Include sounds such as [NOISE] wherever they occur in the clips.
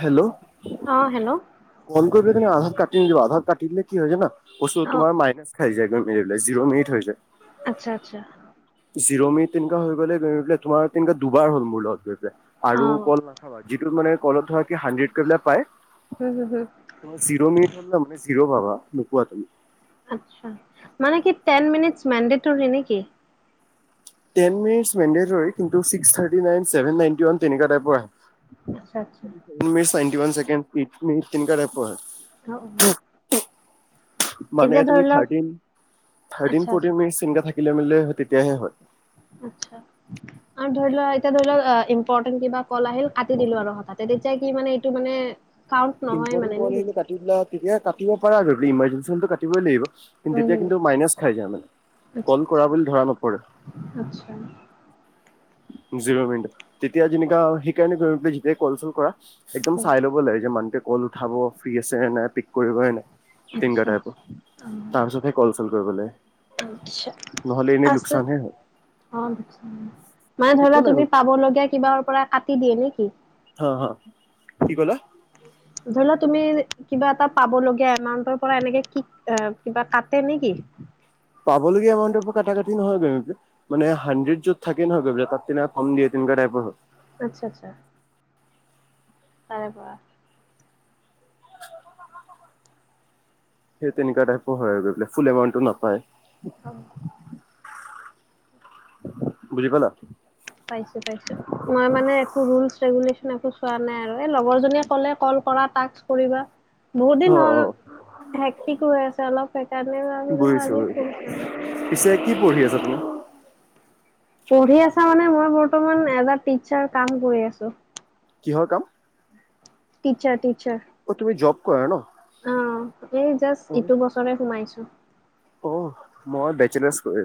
Hello অ hello phone কৰিবি। আধাৰ কাটি নিব আধাৰ কাটি দিলে কি হয় জানা বস্তুটো অ তোমাৰ মাইনছ খাই যায়। ম জিৰ' মেৰিট হৈ যায়। আচ্ছা আচ্ছা। জিৰণি তিনা হৈ গ'লে গ পেলাই তোমাৰ দুবাৰ হ'ল মোৰ লগত গৈ পেলাই অ আৰু কল মাগ। সেইটো মানে কলত থকাকে হান্ড্ৰেড টেলা পায় হুম হুম হুম [UNINTELLIGIBLE] শিৰ' ভাবা নোকোৱা তুমি আ মানে কি তেন মিনিটচ মানদেটৰি নেকি তেন মিনিটছ মন্দেটৰি কিন্তু six thirty nine, seven ninety one তেনেকুৱা টাইপৰ আহে। আচ্ছা আচ্ছা ninety one second eight minute তেনেকুৱা টাইপৰ অ অ মানে এতিয়া তুমি ধৰি লওক থাৰ্টিন, থাৰ্টিন, আচ্ছা আচ্ছা ফৰ্তিন মিনিটছ এনেকা থাকিলে মেলিলে তেতিয়াহে হয়। আচ্ছা আত ধৰি লোৱা এতিয়া ধৰি লোৱা ইম্পৰ্টেণ্ট কিবা কল আহিল কাটি দিলো আৰু হঠাতে তেতিয়া কি মানে এইটো মানে কাউন্ট নহয় ইম্পৰ্টেন্ট মানে কল নেকি আহিলেটো কাটিমটা তেতিয়া কাটিব পাৰে আৰু ইমাজেঞ্চিটো কাটিবই লাগিব কিন্তু উম তেতিয়া হুম কিন্তু মাইনাচ খাই যায় মানে আচ্ছা কল কৰা বুলি ধৰা নপৰে আচ্ছা জিৰ' মিনিট তেতিয়া যেনো সেইকাৰণে যেতিয়াই কল চল কৰা একদম উম চাই ল'ব লাগে যে মানুহটোৱে কল উঠাব ফ্ৰী আছে নাই পিক কৰিব নে নাই আচ্ছা টাইপৰ অ তাৰপিছত সেই কলচল কৰিব আচ্ছা লাগে। নহলে এনে আছে লোকচান হে হয় অ, মানে একো ধৰিলোৱা নাই তুমি পাব লগীয়া কিবাৰ পৰা কাটি দিয়ে নেকি? হা - হা কি ক'লা? ধৰি লওঁক তুমি কিবা এটা পাব লগিয়া এমাউন্টৰ পৰা এনেকে কি এ কিবা কাট পাবলগীয়া এমাউন্টৰ ক কাটি নহয় গৈ মানে হাণ্ড্ৰেড য'ত থাক নহয়ৈ তাত তেনেক কমিয়ে তেনেকা টাইপৰ হয় আচ্ছা আচ্ছা তাৰে পৰা সেই তেনেকুৱা টাইপৰ হয় আৰু ফুল এমাউণ্টটো নাপায় অ', বুজি পালা পাইছো পাইছো মই মানে একো ৰে একো চোৱা নাই আৰু এই লগৰ জনীয়ে ক'লে কল কৰা ৰ্টাচ্ কৰিবা বহুত দিন অ', হ'ল অ'। হেক্টিকো হৈ আছে অলপ সে কাৰণে ভাবিলো বুজিছো আজি বুজিছো [UNINTELLIGIBLE] পিছে কি পঢ়ি আছা তুমি পঢ়ি আছা মানে মই বৰ্তমান এজ এ টিচাৰ কাম কৰি আছো কিহৰ কাম টিচাৰ টি অ, তুমি জব কৰা ন? এই জাষ্ট ইটো বছৰে সোমাইছো। অঁ মই বেচনেজ কৰি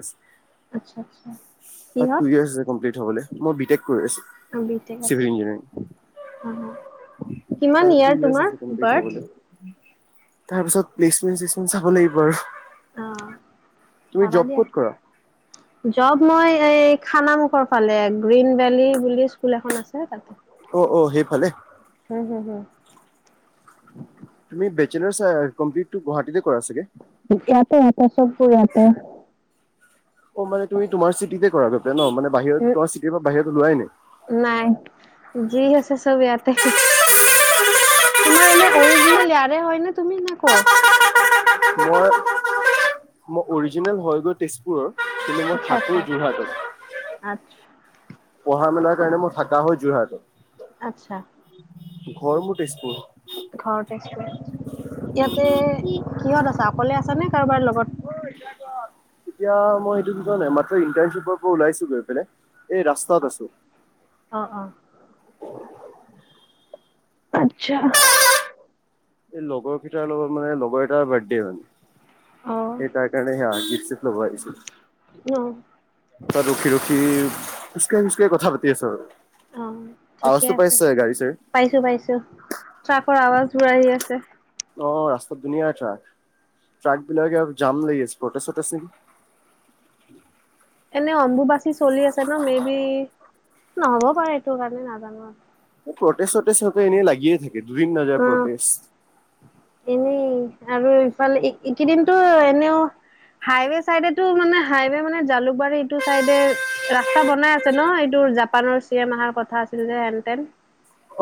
আচ্ছা আচ্ছা আছো বাত টু কিহত ইয়েৰচ আছে কমপ্লিট হবলে মই বিদেশ বি টেক চিভিল আচ্ছা ইঞ্জিনিয়াৰং। অ কিমান ইয়াৰ তোমাৰ বাৰ্থ তাৰ পিছত প্লেচমেন্ট চেচমেন্ট চাব লাগিব আৰু অঁ তুমি পাবা জব দিয়া ক'ত কৰা জ্বব মই এই খানা মুুখৰ ফালে গ্ৰীণ ভেলি বুলি স্কুল এখন আছে তাতে অঁ অঁ সেইফালে হম হম হম। তুমি বেচেলৰ চা গুৱাহাটীতে কৰা চাগে। এয়াত এয়াহে চব বোৰ এয়াতে গতে ন মে বাহিৰত তো চিটিৰ পৰা বাহিৰত ওলোৱাই নাই। নাই যি আছে চব এই য়াতে। তোমাৰ এনে অৰিজিনেল নাই ইয়াৰে হয় নে তুমি ন কৰ? মই - মই অৰিজিনেল হয়গৈ তেজপুৰৰ। কিন্তু মোৰ আচ্ছা, আচ্ছা, ঠাকুৰ যোৰহাটৰ আচ্ছা। পঢ়া মেলাৰ কাৰণে মই থাকা হৈ যোৰহাটৰ আচ্ছা ঘৰ মোৰ তেজপুৰ। ঘৰত টেষ্ট কৰো ইয়াতে কিহত আছা অকলে আছ নে কাৰোবাৰ লগত এতিয়া মই সেইটো [UNINTELLIGIBLE] ইন্টাৰশ্বিপৰ পৰা ওলাইছো গৈ পেলাই এই ৰাস্তাত অ আছো অ অ আচ্ছা। এই লগৰ কেইটাৰ লগত মানে লগৰ এটাৰ বাৰ্থডে অ', হয় এই তাৰ কাৰণে সেয়া আজি চো [UNINTELLIGIBLE] ন তাত ৰখি ৰখি খোজকাঢ়ি খোজ কঢ়ি কথা পাতি আছো আৰু। অ ঠিকে আৱাজটো আছে পাইছে গাড়ী চাড়ী [UNINTELLIGIBLE] পাইছো পাইছো ট্ৰাকৰ আৱাজ ঘূৰা আহি আছে অ ৰাস্তাত ধুনীয়া ট্ৰাক, ট্ৰাক বিলাকে আৰু জাম লাগি আছে ফটো চটো চি [INAUDIBLE] মানে অম্বুবাচী চলি আছে ন মে বি নহ'ব পাৰে এইটো কাৰণে নাজানো আৰু প্ৰটেষ্ট চটেষ্ট চবে এনেই লাগিয়ে থাকে দুদিন নাযায় অ প্ৰটেষ্ট এনেই আৰু ইফালে এইকেইদিনটো এনেও হাইৱে চাইডেটো মানে হাইৱে মানে জালুকবাৰী এইটো চাইডে ৰাস্তা বনাই আছে ন এইটো জাপানৰ চিয়েম আহাৰ কথা আছিল যে হেনটেন।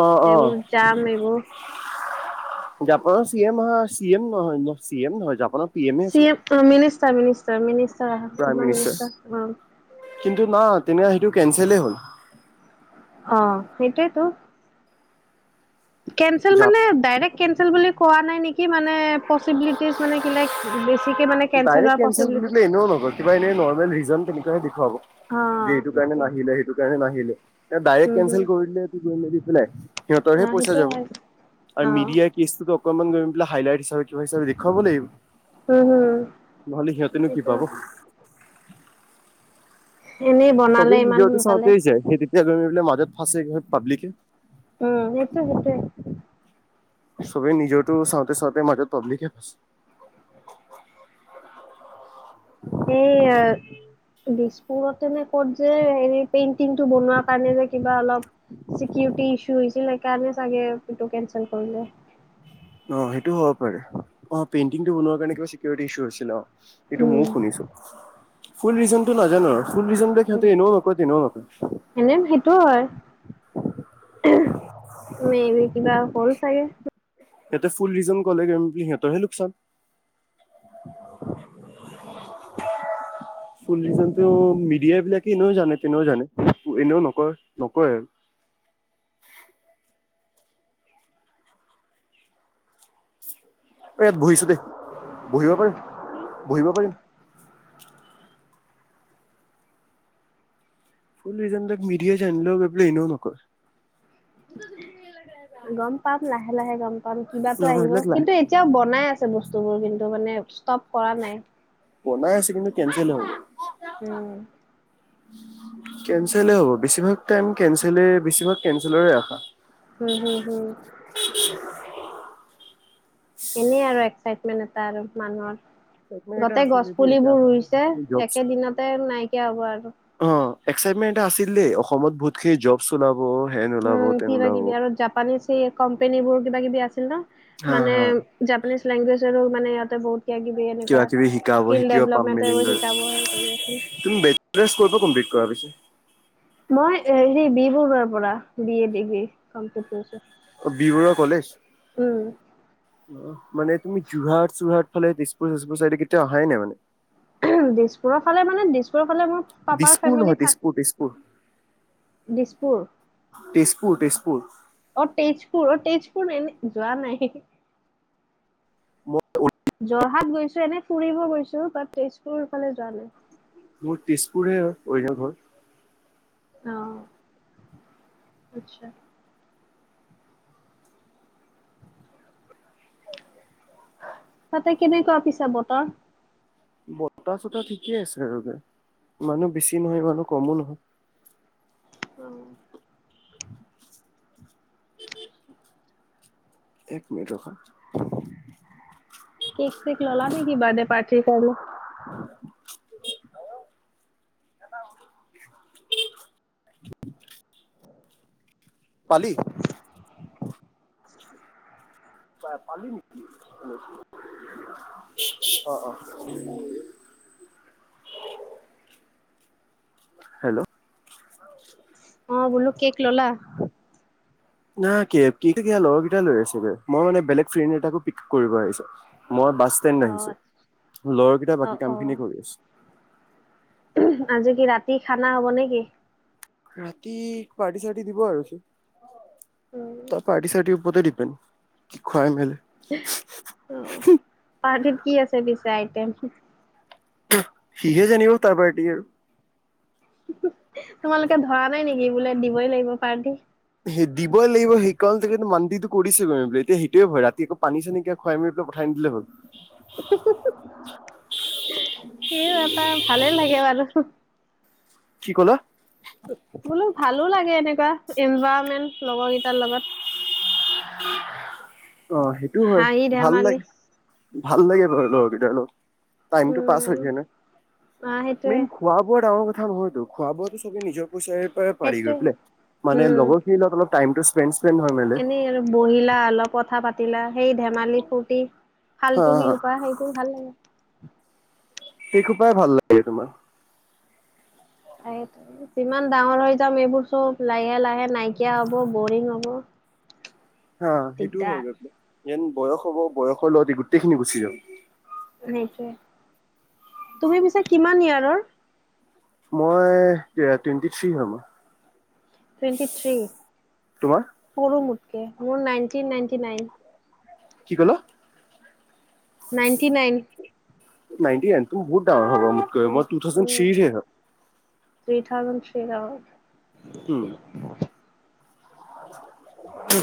অ', অ', এইবোৰ জাম এইবোৰ জাপানৰ চি এম অহা চি এম নহয় চি এম নহয় জাপানত C M minister minister minister অহা [UNINTELLIGIBLE] কিন্তু না তেনে সেইটো কেনচলেই হ'ল। অ সেইটোৱেইতো। কেনচেল জাপ মানে ডাৰক্ট কেনচেল বুলি কোৱা নাই নেকি? কি মানে পচিবিলিটিজ মানে কিলে বেছি ডাইৰেক্ট কেনচেল বোলিলে এনেও নহয় কিবা এনেই নৰ্মেল ৰিজন তেনেকুৱাে দেখুৱাব। অ যে এইটো কাৰণে সেইটোৱে নাহিলে সেইটো কাৰণে নাহিলে। ডাইৰেক্ট উম কেনচেল হুম কৰি দিলে [UNINTELLIGIBLE] দি পেলাই সিহঁতৰহে অ পইচা সেইটো যাব হয় আৰু অ মিডিয়াৰ কেছটোতো অকনমান গম পেলাই হাইলাইট হিচাপে কিবা হিচাপে দেখুৱাব লাগিব। উম হুম নহলে সিহঁতেনো কি সেইটো পাব এনেই বনালে চবেই ইমান নিজৰটো সোনকালে চাওঁতে যায় সেই তেতিয়া গমি পেলাই মাজত ফাঁচে হয় পাব্লিকে উম সেইটো সেইটোৱে চবেই নিজৰতো চাওঁতে চাওঁতে মাজত পাব্লিক [INAUDIBLE] এয়া দিছ মুৰতেনে ক'ত যে সেৰি পেইন্টিংটো বনোৱাৰ কাৰণে যে কিবা অলপ চিকিউটি ইছু আছিল ন সেইকাৰণে চাগে কেনচেল কৰিলে। অ সেইটো হ'ব পাৰে অ পেইণ্টিংটো বনোৱাৰ কাৰণে কিবা চিকিউৰিটি ইছু আছিল অ। এইটো উম ময়ও শুনিছো ফুল ৰিজন টো নাজানো আৰু। ফুল ৰিজন বিলাক সিহঁতে এনও নকয় তেনেও নকয়। এনে সেইটো হয় [UNINTELLIGIBLE] মে বি কিবা হ'ল চাগে? ইহতে ফুল ৰিজন কলে সিহঁতৰহে লোকচান। [INAUDIBLE] চো মিডিয়াবিলাকে এনেও জানে তেনেও জানে এনেও নকয় নকয় আৰু [UNINTELLIGIBLE] [INAUDIBLE] এ ইয়াত বহিছো দেই বহিব পাৰিম বহিব পাৰিম? ফুল ৰিজান বিলাক মিডিয়া [UNINTELLIGIBLE] এনো নকয় গম পাম লাহে লাহে গম পাম কিবাটো অ', আহিব। এইবিলাক লাই কিন্তু এতিয়াও বনাই আছে বস্তু বোৰ কিন্তু মানে পৰা নাই বনাই আছে কিন্তু কেনঞ্চেল হ'ল। উম। কেঞ্চেলে হ'ব বেছিভাগ টাইম কেনচেলে বেছিভাগ কেনচেলৰে আশা। উম হম হম [INAUDIBLE] এনেই আৰু এক্সাইটমেণ্ট এটা আৰু মানুহৰ। এক্সাইটমেণ্ট এটা গোটেই আছিল গছ দেই যে পুলিবোৰ অসমত ৰুইছে জব একেদিনতে নাইকিয়া হ'ব আৰু অ' এক্সাইটমেণ্ট এটা আছিল দেই অসমত বহুতখিনি জব চব পাবলৈ উ কিবা কিবি আৰু জাপানীজ এই কোম্পানী বোৰ কিবা কিবি আছিল নহ হা মানে হা জাপানীজ লেংগুৱেজৰ মানে ইয়াতে বহুত কিবা কিবি এনেকুৱা কিবা কিবি শিকাব স্কিল শিকিব পাম ডেভলমেন্ট এইবোৰ মেলিমগৈ শিকাব সেইকাৰণে বহি আছোঁ। হৈ গল কমপ্লিট কৰা পিছে মই হে বি বৰুৱাৰ পৰা বি এ ডিগ্ৰী কমপ্লিট কৰিছোঁ। অ বি বৰুৱা কলেজ মানে তুমি যোৰহাট চোৰহাট ফালে তেজপুৰ -চেজপুৰ চাইডে কেতিয়াও অহাই নাই মানে। দিছপুৰৰ ফালে মানে দিছপুৰৰ ফালে মোৰ পাপাৰ দিছপুৰ ফেমিলি নহয় থাক তেজপুৰ তেজপুৰ দিছপুৰ তেজপুৰ তেজপুৰ। অ তেজপুৰ অ তেজপুৰ এনে যোৱা নাই ম উ [UNINTELLIGIBLE] যোৰহাট গৈছো এনেই ফুৰিব গৈছো বাট তেজপুৰ ফালে যোৱা নাই। মই তেজপুৰ হে হৈ অৰ্জিনেল ঘৰ। অহ আচ্ছা। তাতে কেনেকুৱা পিছে বতৰ? বতাহ -চতাহ ঠিকে আছে আৰু মানে ইমানো বেছিও নহয় ইমানো কমো নহয় অহ। উ [UNINTELLIGIBLE] এক মিনিট ৰখা। কেক চেক ললা নেকি বাৰ্থডে পাৰ্টিৰ কাৰণে পালি? [INAUDIBLE] পা পালোঁ অ, অ। হেল্ল'। অ বোলো কেক ল'লা? না কেক লগৰ কেইটাই লৈ আছেগৈ মই মানে বেলেগ ফ্ৰেণ্ড এটাকো পিক আপ কৰিব আহিছোঁ। মই বাছ অ ষ্টেণ্ড আহিছোঁ। ল'ৰাকেইটাই অ বাকী অ কাম খিনি কৰি আছে। আজি কি ৰাতি খানা হব নে কি? ৰাতি পাৰ্টি চাৰ্টি দিব আৰুি উম, তই পাৰ্টি চাৰ্টি পতে ডিপেণ্ড কি খুৱাই মেলে অ পাৰ্টিত কি আছে পিছে আইটিয়েম সিহে জানিব তাৰ পাৰ্টি আৰু। তোমালোকে ধৰা নাই নেকি বোলে দিবই লাগিব পাৰ্টি সেই দিবই লাগিব সেইকাৰণে মানিটো কৰিছিলো এহ এতিয়া সেইটোৱে ভয় ৰাতি আকৌ পানী চানী কে খুৱাই‌ মেলি পঠাই নিদিলে হ'ল ইউহ এটা ভালেই লাগে বাৰু কি ক'লা? বোলো ভালো লাগে এনেকুৱা এনভাইৰণমেন্ট লগৰ কেইটাৰ লগত অ সেইটো হয় হাঁহি ভাল ধেমালি লাগে ভাল লাগে তহ লগৰকেইটাৰ লগত। টাইমটো পাছ উম হৈ যায় নহ অ মেইন সেইটোয়ে খোৱা বোৱা ডাঙৰ হ'লে অহ হয়তো খোৱা বোৱা তহ চবে নিজৰ পইচাৰে পৰা পাৰি গৈ সেইটোয়ে বোলে মানে উম লগৰখিনি লগত অলপ টাইমটো স্পেন স্পেন হৈ মানে এনেই আৰু বহিলা, অলপ কথা পাতিলা। সেই ধেমালি ফূৰ্তি ভাল হা হা তুমিও পোৱা। সেইবোৰ ভাল সেই খোপাই ভাল লাগে তোমাৰ। [UNINTELLIGIBLE] যিমান ডাঙৰ হৈ যাম এইবোৰ চব লাহে লাহে নাইকিয়া হব বৰিং হব। হা সেইটোও দিগদাৰ হয় গ যেন বয়স হ'ব বয়সৰ লগতে গোটেই খিনি গুচি যাব সেইটোৱে তুমি পিছে কিমান ইয়েৰৰ? মই টুৱেন্টি থ্ৰী হয় মই টুৱেন্টীথিৰি তোমাৰ? সৰু মতকে মোৰ নাইন নাইটি নাইন। কি কলো। Ninety nine. নান্টি নাইন বহুত বহুত ডাঙৰ হ'ব মোতকৈ উম, টুডাউজেন্ট উম, থিৰিত হে। থ্ৰী থাউজেন্ড থ্ৰী আৱাৰ উম। উম।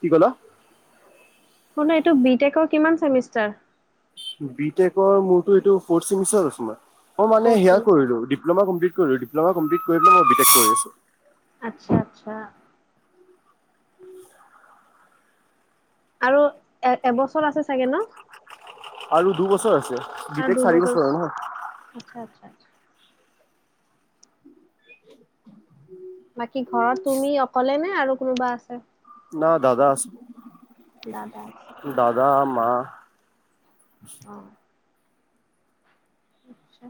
কি ক'লো। শল এইটো বি টেকৰ কিমান চেমিষ্টাৰ। বি মোৰটো এইটো ফৌষ্ট চেমিষ্টাৰ মই মানে ফ'ৰ্থ সেই চেমিষ্টাৰ, কৰিলো ডিপলমা কমপ্লিট পল'মাম কৰি মই বি কৰিছো। আচ্ছা আচ্ছা। আৰু এ এবছৰ আছে চাগে ন। আৰু দুবছৰ আছে আৰু বিটক চাৰি দুবছৰ বছৰ নহয়। আচ্ছা আচ্ছা আচ্ছা। বাকী ঘৰত তুমি অকলে নে আৰু কোনোবা আছে। না দাদা আছে দাদা আছে, দাদা মা। অ। আচছা।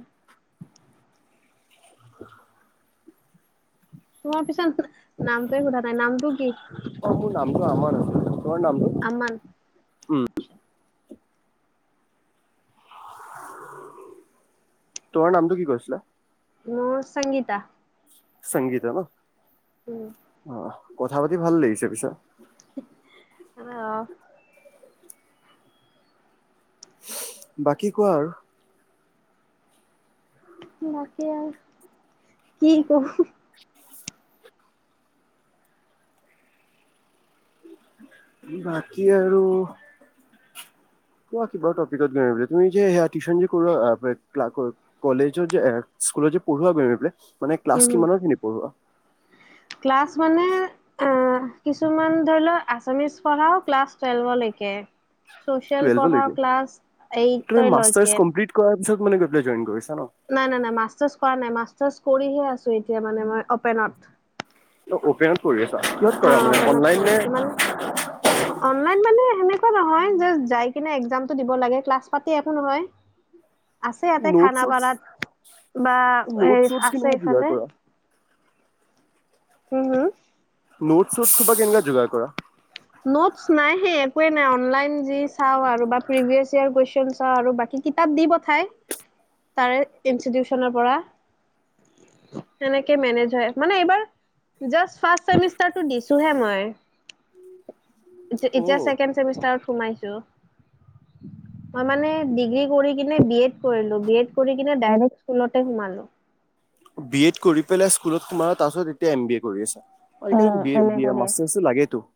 [UNINTELLIGIBLE] তোমাৰ পিছত নামটোৱে সোধা নাই নামটো কি। অ মোৰ নামটো আমাৰ আ তৰ নামটো। আমান। উম আচ্ছা তোমাৰ নামটো কি কৈছিলা। মোৰ সংগীতা। সংগীতা ন উম, অ কথা পাতি ভাল লাগিছে পিছত। অহ। বাকী কোৱা আৰু। তাকে আৰু কি কম। বাকী আৰু। ক কিবা টপিকত গৈ তুমি যে সয়া টিউশন যে কলেজৰ যে। স্কুলত যে পঢ়োৱা মে ক্লা উম। কিমানৰ খিনি পঢ়োৱা। ক্লাছ মানে কিছুমান ধৰি লও আচামিচ পঢ়াও ক্লাছ টোলভ। চুচিএল পঢ়া টুৱেলভলৈকে ক্লাছ এইট লৈকে। চব মান গৈ পেলাই জইন কৰিছে। নাই নাই নাই মাৰ্চটাচ কৰা নাই মাচটাচ কৰিহে আছো এতিয়া মান মই অপেনত। পেৰন কৰি আছে। অ অপেনত পঢ়ি আছো মানে অনলাইন মানে এনেকে নহ কিনে একজামটো দিব লাগ ক্লাছ পাটি একো নহয়। আছে ইয়াতে নোট চোটছ খানাপাৰাত বা নোট এই চোটছ আছে কেনেকুৱা যোগাৰ ইফালে। কৰা? Home home. নোট চোট খুবা কেনেকা যোগাৰ কৰা। নোটছ নাই সেই একোৱে নাই অনলাইন যি চাওঁ আৰু প্ৰিভিয়াছ কোএচন। আৰু বাকী কিতাপ দি পঠাই তাৰে ইনষ্টিটিউচনৰ পৰা। সেনেকে মেনেজ হয় মানে এইবাৰ। জাষ্ট ফাৰ্ষ্ট চেমিষ্টাৰটো দিছোঁহে মই। এতিয়া ছেকেণ্ড অ' চেমিষ্টাৰত সোমাইছো। মই মানে ডিগ্ৰী কৰি কিনে বি এড কৰিলোঁ, বি এড কৰি কিনে ডাইৰেক্ট ওলতে সোমালোঁ। বি এড কৰি পেলাই স্কুলত তোমাৰ তাৰপিছত এতিয়া এম বি এ কৰি আছা। অহ এই কাৰণেবি উম এ এম বি এ কৰি আছা? মাষ্টাৰ্টো লাগে তো।